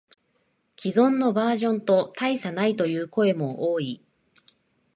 既存のバージョンと大差ないという声も多い